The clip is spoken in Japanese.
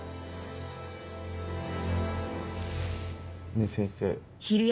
ねぇ先生。